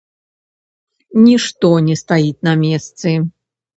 Нішто не стаіць на месцы.